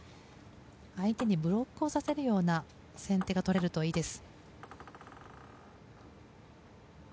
相手にブロックをさせるような先手が取れるといいです。